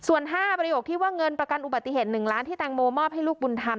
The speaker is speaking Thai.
ส่วน๕ประโยคที่ว่าเงินประกันอุบัติเหตุ๑ล้านที่แตงโมมอบให้ลูกบุญธรรม